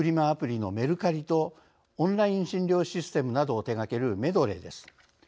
アプリのメルカリとオンライン診療システムなどを手がけるメドレーです。